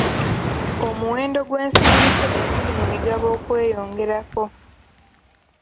Omuwendo gw'ensimbi zo eziri mu migabo okweyongerako.